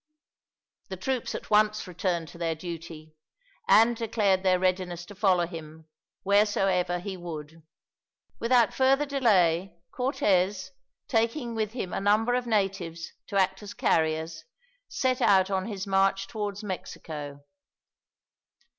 The troops at once returned to their duty, and declared their readiness to follow him, wheresoever he would. Without further delay, Cortez, taking with him a number of natives to act as carriers, set out on his march towards Mexico.